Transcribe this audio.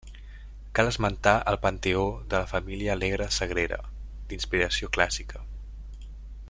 Cal esmentar el panteó de la família Alegre de Sagrera, d'inspiració clàssica.